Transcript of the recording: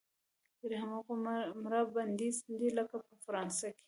پرې هماغومره بندیز دی لکه په فرانسه کې.